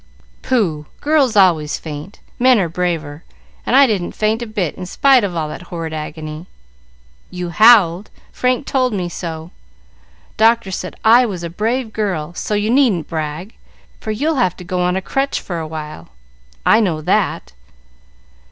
"Pooh! Girls always faint. Men are braver, and I didn't faint a bit in spite of all that horrid agony." "You howled; Frank told me so. Doctor said I was a brave girl, so you needn't brag, for you'll have to go on a crutch for a while. I know that."